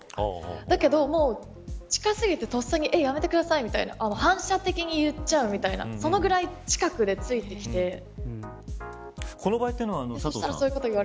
だけど、近すぎてとっさにやめてください、みたいな反射的に言っちゃうみたいなそのぐらい近くでついこの場合、佐藤さん